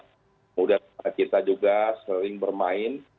kemudian kita juga sering bermain